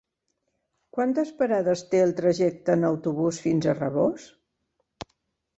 Quantes parades té el trajecte en autobús fins a Rabós?